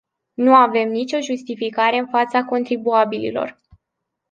Nu avem nicio justificare în fața contribuabililor.